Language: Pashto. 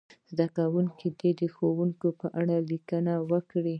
زده کوونکي دې د ښوونکي په اړه لیکنه وکړي.